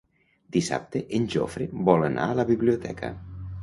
Dissabte en Jofre vol anar a la biblioteca.